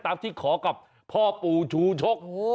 ที่ขอกับพ่อปู่ชูชก